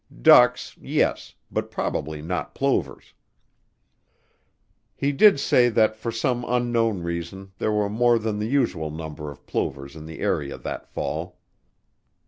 Ducks, yes, but probably not plovers. He did say that for some unknown reason there were more than the usual number of plovers in the area that fall.